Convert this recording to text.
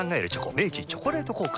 明治「チョコレート効果」